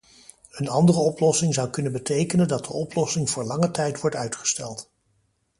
Een andere oplossing zou kunnen betekenen dat de oplossing voor lange tijd wordt uitgesteld.